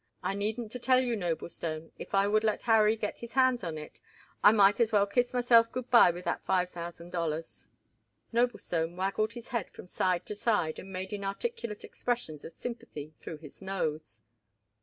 I needn't to tell you, Noblestone, if I would let Harry get his hands on it, I might as well kiss myself good by with that five thousand dollars." Noblestone waggled his head from side to side and made inarticulate expressions of sympathy through his nose.